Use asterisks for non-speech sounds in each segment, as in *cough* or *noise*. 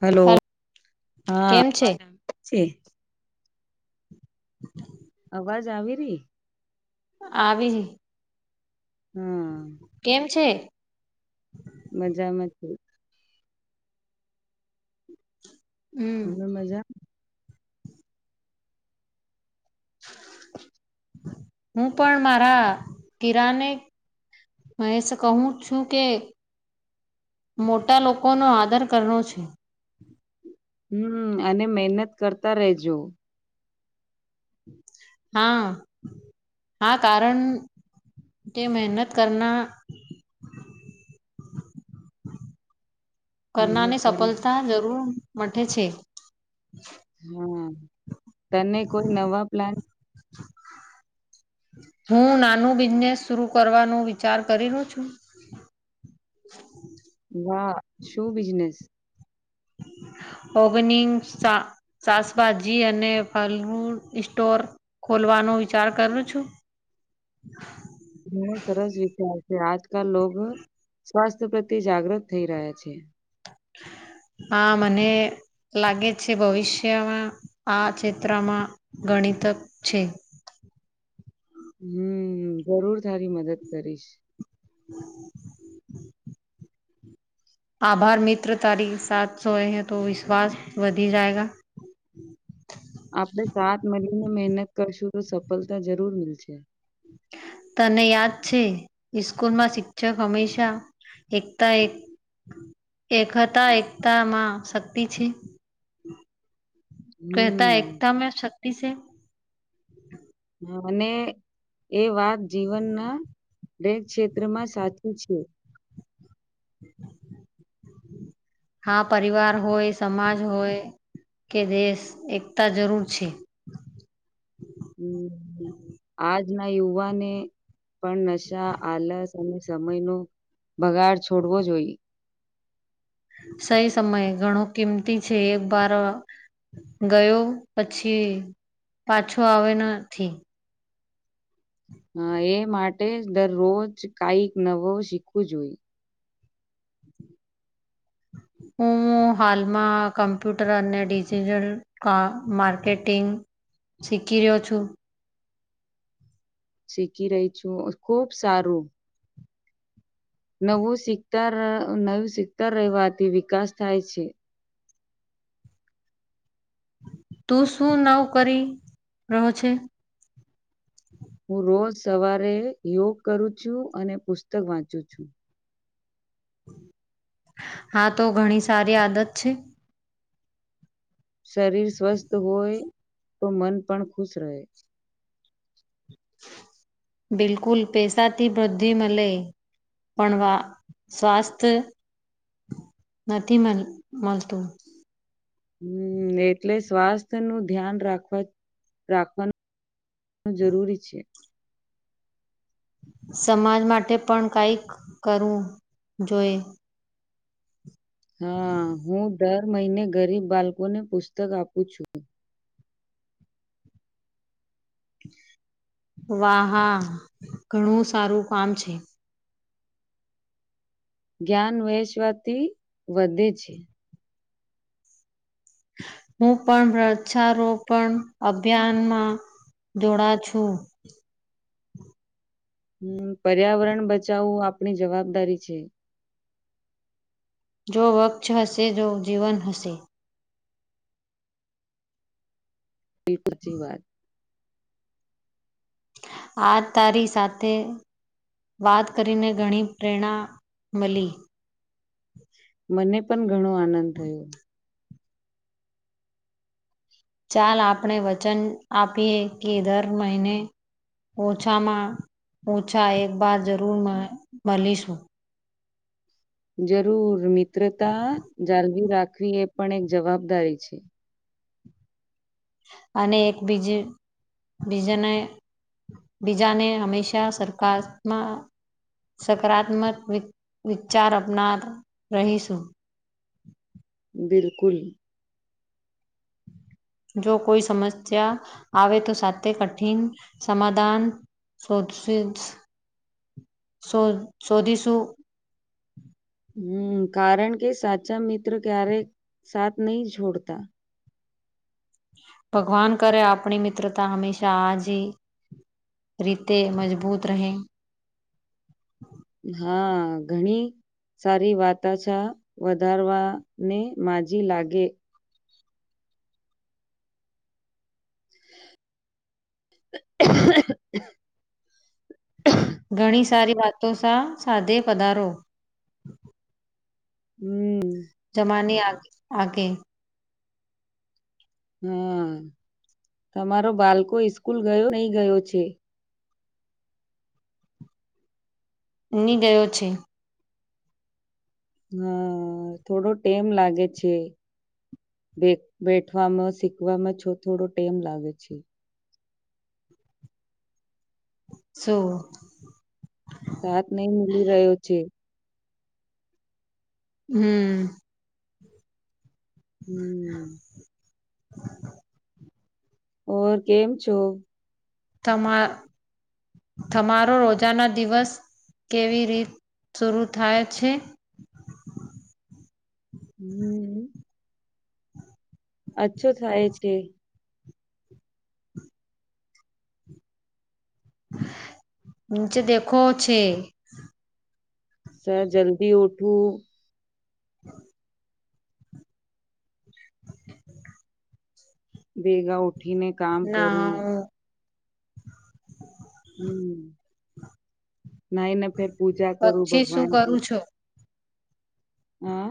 Hello હા. કેમ છે *inaudible* અવાજ આવી રહી. આવી જ હા કેમ છે? મજામાં છે. હમ તમે મજા *inaudible* હું પણ મારા કિરાને મહેશ કહું છું કે મોટા લોકોનો આદર કરનો છે. હમ અને મહેનત કરતા રેજો. હા. હા કારણ તે મહેનત કરના મહેનત કરનારની કર સફળતા જરૂર મ છે. હા, તને કોઈ નવા પ્લાન હું નાનું બિઝનેસ શર કરવાનો વિચાર કરીલો્યો છું. વાહ, શું બિઝનેસ? ઓગનિક શાાસભાજી અને ફલુ સ્ટોર. ખોલવાનો વિચાર કરું છું. બ સરસ વિચાર છે આજકાલ લોકો સ્વાસ્થ્ય પ્રત્ય જાગૃત થઈ રહ્યા છે. *inaudible* હા મને લાગે છે ભવિષ્યમાં આ ચિત્રમાં ગણિત છે. હમ જરૂર સારી મદદ કરીશ. હમ. આભાર મિત્ર તારી સા સોએૈ તો વિશ્વાસ વધી જાયગ. આપડણે સાત મળીને મહેનત કરશું તો સફળતા જરૂર મલશે તને યાદ છે ઈસ્કૂલમાં શિક્ષક હંમેશા એકતા એક એકતા એકતામાં શક્તિ છે. કતા હમ એકતા મે શક્તિ છે. હાને એ વાત જીવનના દરેક ક્ષેત્રમાં સાચી છે. *inaudible* હા પરિવાર હોય સમાજ હોય કે દેશ એકતા જરૂર છે. હમ આજના યુવાને પણ નશા આલસ અને સમય ન બગાડ છોડવો જોઈએ. સહી સમય ઘણો કિંમતી છે એક બાર ગયો પછી પાછો આવે નથી. હા એ માટે દરરોજ કઈક નવો શીખવું હોય. હું હાલમાં કમ્પ્યુટર અને ડિજીટલ કા માર્કેટિંગ શીખી રહ્યો છું. શીખી રહી છું ખુબ સારું. નવું શીતા નવું શીખતા રહેવાથી વિકાસ થાય છે. તું શું નવ કરી રહો છે? હું રોજ સવારે યોગ કરું છું અને પુસ્તક વાંચું છું. હા તો ઘણી સારી આદત છે. શરીર સ્વસ્થ હોય તો મન પણ ખુશ રહે. બિલકુલ પૈસાથી વૃદ્ધિ મ મળે. પણ વા સ્વાસ્થ નથી મળ મળતું. હમ એટલે સ્વાસ્થ્ય નું ધ્યાન રાખત રાખવાનું જરૂરી છે. સમાજ માટે પણ કઈક કરવું જોઈએ. હા હું દર મહિને ગરીબ બાળકોને પુસ્તક આપું છું. વાહા ઘણું સારું કામ છે. જ્ઞાન વહેેશવાથી વધે છે. હું પણ વૃક્ષારોપણ અભિયાનમાં જોડા છું. હમ પર્યાવરણ બચાવવું આપણી જવાબદારી છે. જો વક્ષ હશે જો જીવન હશે. પીટરજી વાત આ તારી સાથે વાત કરીને ઘણી પ્રેરણા મળી. મને પણ ઘણો આનંદ થયો. ચાલ આપણે વચન આપીએ કે દર મહિને ઓછામાં ઓછા એકવાર જરૂર મળીશું. જરૂર મિત્રતા જાળવી રાખવી એ પણ એક જવાબદારી છે. અને એક બીજ બીજાને બીજાને હંમેશા સરકારમાં સકારાત્મક વિ વિચાર અપનાર રહીશું. બિલકુલ. જો કોઈ સમસ્યા આવે તો, સાથે કઠિન સમાધાન શોધશ શો શોધીશું. હમ કારણ કે સાચા મિત્ર ક્યારે સાથ નહી છોડતા. ભગવાન કરે આપણી મિત્રતા હંમેશા આજ રીતે મજબૂત રહે. હા ઘણી સારી વાતાછા વધારવાને માજી લાગે. *unintelligible* ઘણી સારી વાતો સા સાધે પધારો. હમ. હમ. જમાની આગ આગે. હમ, તમારો બાળકો ઈસ્કૂલ ગયો નઈ ગયો છે? ની ગયો છે. હા થોડો ટેમ લાગે છે. બે બેઠવામાં શીખવામાં છ થોડો ટેમ લાગે છે. સું? સાથ નહ મલી રહ્યો છે. હમ. હમ. હ *inaudible* ઓર કેમ છો? તમામાં તમારો રોજાના દિવસ કેવી રીત શર થાય છે? હમ અછું થાય છે. નીચે દેખો છે. જરા જલ્દી ઉઠું. હા *unintelligible* હ *unintelligible* ભેગા ઉઠીને. કામ કરવું નાઊ. હમ નાઈને ફીર પૂજા કરું પક્ષી શું ભગવાનકી કરું છું હે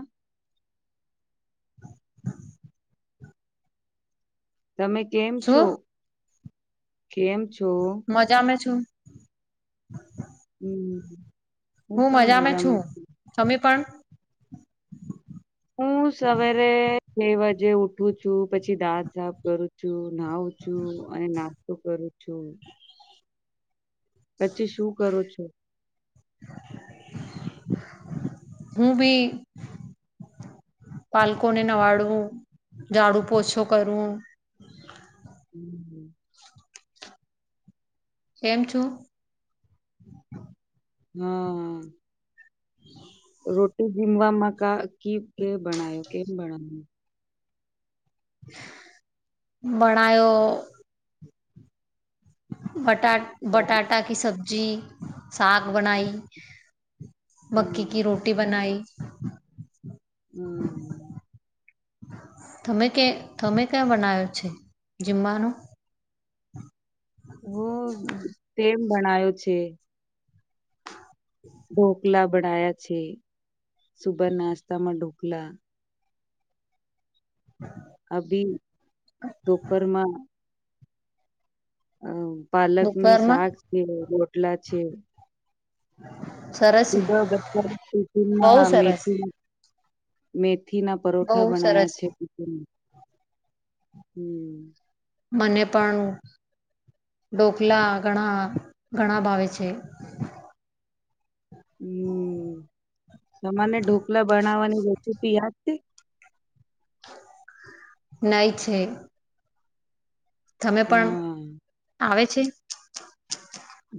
*unintelligible* તમે કેમ છો? શું કેમ છો? મજા મે છું. હમ હું પણ મજામાં છું. તમે પણ હું સવારે ને વાજે ઉઠું છું પછી દાંત સાફ કરું છું, નાવું છું અને નાસ્તો કરું છું. પછી શું કરો છો? હું બી બાલકોને નવાળું, ઝાડુ પોછો કરવું. હમ. કેમ છો? હમ. રોટી જીમવામાં કા, કીમ, કે બનાયો કેમ બનાયો ભણાયો બટા બટાટા કી સબ્જી સાક બનાઈ મક્કી કી હમ રોટી બનાઇ. હમ. તમે કે તમે કે બનાયો છે જમવાનું? ગોમ ટેબ *unintelligible* બનાયો છે. *unintelligible* ઢોકલા બનાયા છે શુભ નાસ્તામાં ઢોકલા *unintelligible* અભી દોપરમાં અ પાલક ની બપોરમાં શાક છે રોટલા છે. સરસ શુભ બચ્ચાને બહુ ટીફીનમા સરસ મેથી મેથી ના બહુ પરોઠા સરસ બનાયા છે. હમ. મને પણ ઢોકલા ઘણા ઘણા ભાવે છે. હમ તમને ઢોકલા બનાવવાની રેસીપી યાદ છે? નઈ છે. તમે પણ હા આવે છે?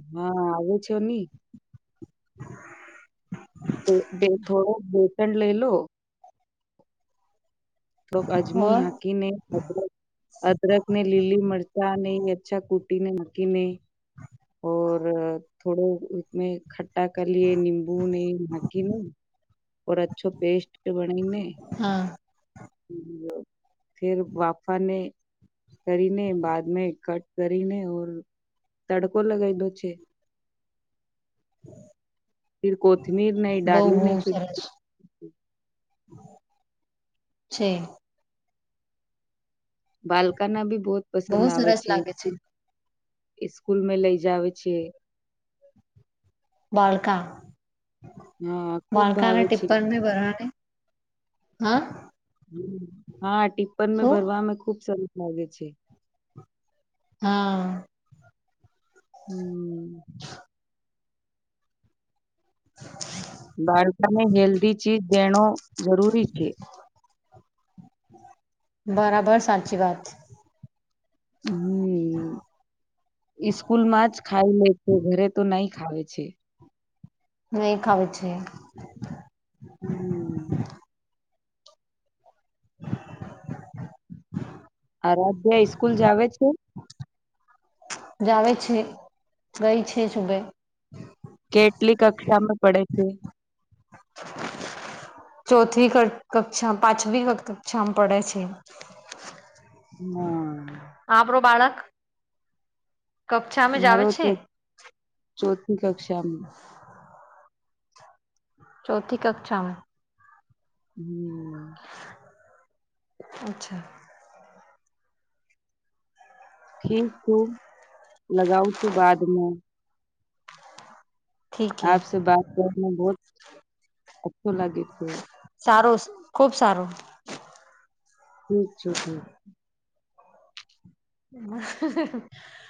હા આવે છેની *unintelligible* બે થોડો *unintelligible* લઈ લો. થોડોક અજમો ઓર નાખીને અદરક અદરક ને લીલી મરચા ને અચ્છા કૂટી ને નાખીને ઓર થોડો ઉમે ખટ્ટા કરીએ લીંબુ ને નાખીને ઓર અચ્છો પેસ્ટ બનીને હા. ફેર બાપાને કરીને બાદ મે કટ કરીને ઓર તડકો લાગાઈ દો છે. ફીર કોથમીર નહી બહુ બહુ ડાલને કી સરસ છે. બાલકાના બી બહુત બહુ પસંદ આવે સરસ છે. લાગે ઈસ્કૂલ મે લઇ જાવે છે. બાળકા, હા ખુબ બાળકા અને ભાવે છે ટિપ્પણ હા? હા ટિપ્પન મેં શું ભરવા ખુબ સરસ લાગે છે. હા. હમ. *inaudible* બાળકા ને હેલ્ધી ચીજ દેણો જરૂરી છે. બરાબર સાચી વાત. હમ. સ્કૂલ માં જ ખાઈ લે છે ઘરે તો નહી ખાવે છે. નહી ખાવે છે. હમ. *inaudible* હ રાધ્યાઇ સ્કૂલ જ આવે છે? જાવ છે, ગઈ છે સુબે. કેટલી કક્ષામાં પડે છે? ચોથીવી કક્ષા પાંચમ કક્ષામાં પડે છે. હમ. આપ્રો બાળક? કક્ષામાં જ આવે મારો છે તો ચોથી કક્ષામાં. ચોથી કક્ષામાં. હમ. અચ્છા. ઠીક છું, લગાવ છું બાદમાં. ઠીક હે આપ બાત કરને બહ, અચછો લાગે છે. સારું ખુબ સારું. ઠીક છો ઠીક. હ *unintelligible*